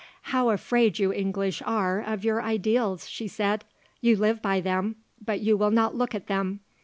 "How afraid you English are of your ideals," she said. "You live by them, but you will not look at them.